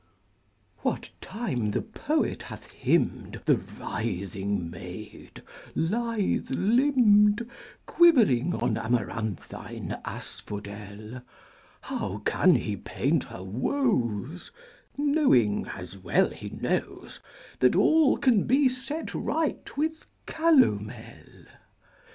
What time the poet hath hymned The writhing maid, lithe limbed, Quivering on amaranthine asphodel, How can he paint her woes, Knowing, as well he knows, That all can be set right with calomel?